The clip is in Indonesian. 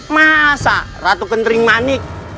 masa ratu kentering manik